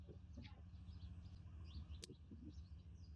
四带枣螺为枣螺科枣螺属的动物。